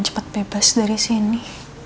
cepat bebas dari sini